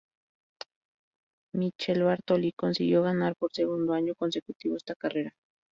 Michele Bartoli consiguió ganar por segundo año consecutivo esta carrera.